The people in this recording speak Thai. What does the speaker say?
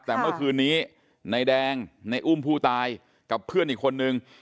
แต่เมื่อคืนนี้นายแดงในอุ้มผู้ตายกับเพื่อนอีกคนนึง